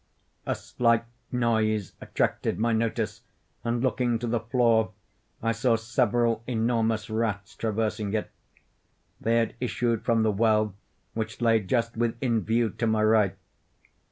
A slight noise attracted my notice, and, looking to the floor, I saw several enormous rats traversing it. They had issued from the well, which lay just within view to my right.